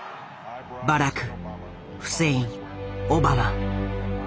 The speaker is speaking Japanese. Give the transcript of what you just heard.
バラク・フセイン・オバマ。